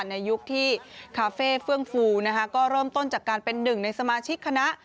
ในยุคที่คาเฟ่เฟื่องฟูนะคะก็เริ่มต้นจากการเป็นหนึ่งในสมาชิกคณะ